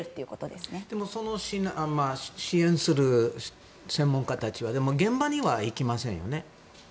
でも支援する専門家たちは現場には行きませんよね？